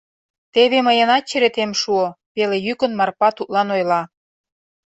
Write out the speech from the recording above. — Теве мыйынат черетем шуо, — пеле йӱкын Марпа тудлан ойла.